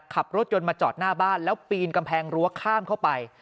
ขับรถยนต์มาจอดหน้าบ้านแล้วปีนกำแพงรั้วข้ามเข้าไป